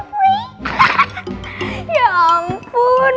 hahaha ya ampun